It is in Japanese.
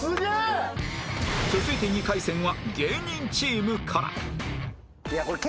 続いて２回戦は芸人チームから！